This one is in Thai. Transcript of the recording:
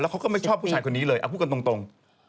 แล้วเค้าก็ไม่ชอบผู้ชายคนนี้เลยอ่ะพูดกันตรง